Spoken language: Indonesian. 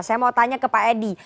saya mau tanya ke pak edi